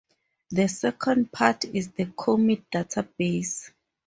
The second part is the commit database.